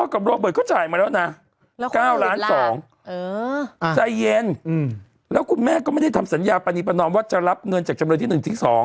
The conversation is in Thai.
ครับว่าเอ๊ยปอและโรเบิร์ตเขาจ่ายมาแล้วนะ